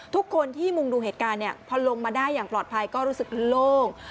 ทุกคนที่มุงดูเหตุการณ์เนี่ยพอลงมาได้อย่างปลอดภัยก็รู้สึกโล่ง